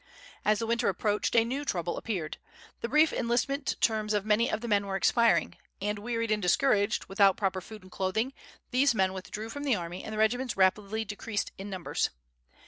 As the winter approached a new trouble appeared. The brief enlistment terms of many of the men were expiring, and, wearied and discouraged, without proper food or clothing, these men withdrew from the army, and the regiments rapidly decreased in numbers.